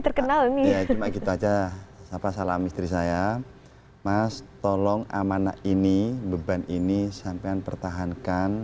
terkenal nih kita aja apa salam istri saya mas tolong amanah ini beban ini sampai dan pertahankan